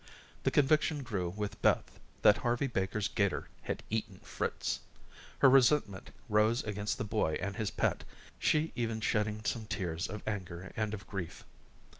The conviction grew with Beth that Harvey Baker's 'gator had eaten Fritz. Her resentment rose against the boy and his pet, she even shedding some tears of anger and of grief.